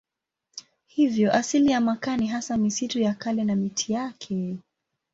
Hivyo asili ya makaa ni hasa misitu ya kale na miti yake.